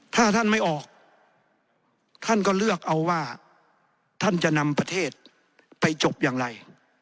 ถ้าท่านไม่ออกท่านก็เลือกเอาว่าท่านจะนำประเทศไปจบอย่างไร